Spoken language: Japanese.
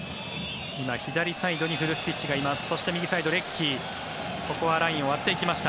今、左サイドにフルスティッチがいます。